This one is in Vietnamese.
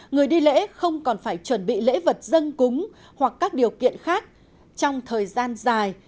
người đi lễ không còn phải chuẩn bị lễ vật dân cúng hoặc các điều kiện khác trong thời gian dài